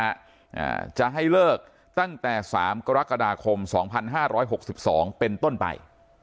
อ่าจะให้เลิกตั้งแต่สามกรกฎาคมสองพันห้าร้อยหกสิบสองเป็นต้นไป